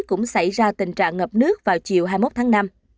cũng xảy ra tình trạng ngập nước vào chiều hai mươi một tháng năm